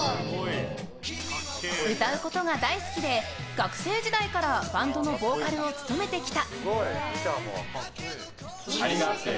歌うことが大好きで学生時代からバンドのボーカルを務めてきた。